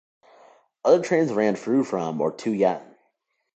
Other trains ran through from or to Yatton.